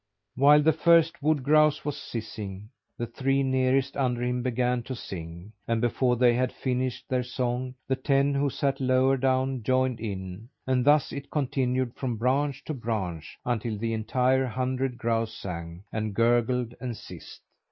While the first wood grouse was sissing, the three nearest under him began to sing; and before they had finished their song, the ten who sat lower down joined in; and thus it continued from branch to branch, until the entire hundred grouse sang and gurgled and sissed.